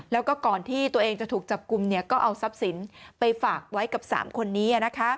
แล้วก็ก่อนที่ตัวเองจะถูกจับกลุ่มก็เอาทรัพย์สินไปฝากไว้กับ๓คนนี้